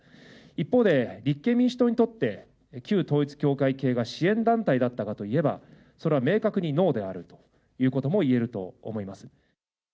一方で立憲民主党にとって、旧統一教会系が支援団体だったかといえば、それは明確にノーであるということもいえると思います。